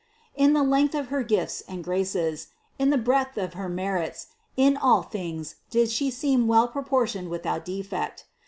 In the length of her gifts and graces, and in the breadth of her merits, in all things did She seem well proportioned without defect.